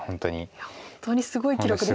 いや本当にすごい記録ですよね。